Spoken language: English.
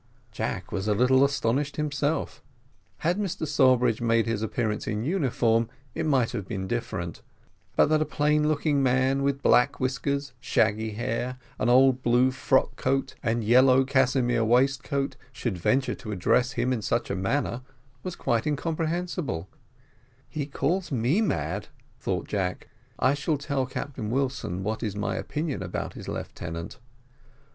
Jack was a little astonished himself. Had Mr Sawbridge made his appearance in uniform it might have been different, but that a plain looking man, with black whiskers, shaggy hair, and old blue frock coat and yellow casimere waistcoat, should venture to address him in such a manner, was quite incomprehensible; he calls me mad, thought Jack, I shall tell Captain Wilson what is my opinion about his lieutenant.